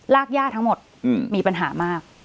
รากย่าทั้งหมดมีปัญหามาก